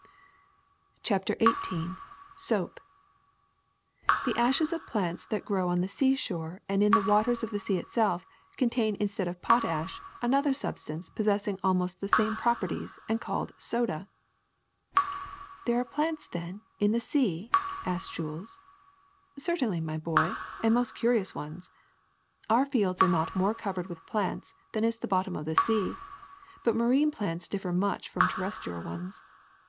CHAPTER XVIII SOAP ^^'^"■^HE ashes of plants that grow on the seashore T and in the waters of the sea itself contain, in stead of potash, another substance possessing almost the same properties and called soda. ''^^ There are plants, then, in the sea?" asked Jules. ^' Certainly, my boy ; and most curious ones. Our fields are not more covered with plants than is the bottom of the sea; but marine plants differ much from terrestrial ones.